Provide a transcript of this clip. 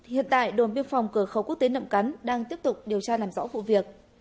hiện tại đồn biên phòng cửa khẩu quốc tế nậm cắn đang tiếp tục điều tra làm rõ vụ việc